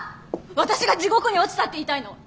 私が地獄に落ちたって言いたいの？